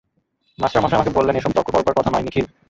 মাস্টারমশায় আমাকে বললেন, এ-সব তর্ক করবার কথা নয় নিখিল।